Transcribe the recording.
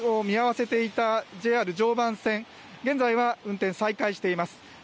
始発から運行を見合わせていたＪＲ常磐線、現在は運転を再開しています。